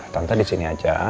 tante disini aja